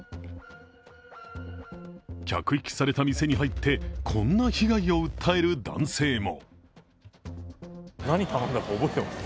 客引きされた店に入って、こんな被害を訴える男性も。